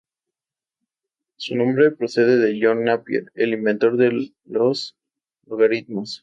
Su nombre procede de John Napier, el inventor de los logaritmos.